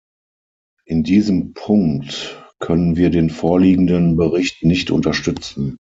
In diesem Punkt können wir den vorliegenden Bericht nicht unterstützen.